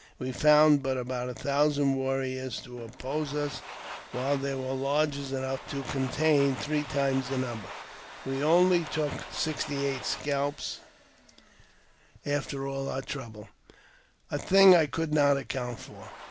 We found but about a thousand warriors to oppose us, while there were lodges enough to contain three times the number. We only took sixty eight scalps after all our trouble — a thing I could not account for.